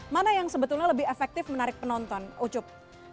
mana yang sebetulnya lebih efektif menarik penonton ucup